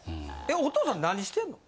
お父さん何してんの？